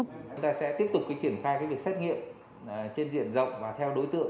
chúng ta sẽ tiếp tục triển khai việc xét nghiệm trên diện rộng và theo đối tượng